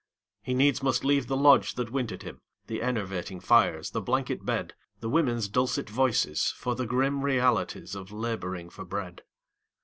He needs must leave the lodge that wintered him, The enervating fires, the blanket bed The women's dulcet voices, for the grim Realities of labouring for bread.